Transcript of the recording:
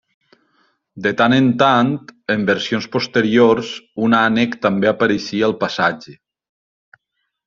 De tant en tant en versions posteriors, un ànec també apareixia al passatge.